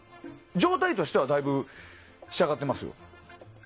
状態としてはだいぶ、仕上がってますよ。